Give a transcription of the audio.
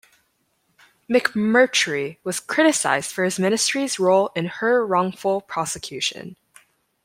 McMurtry was criticized for his Ministry's role in her wrongful prosecution.